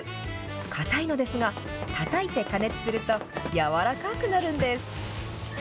硬いのですが、たたいて加熱すると、やわらかくなるんです。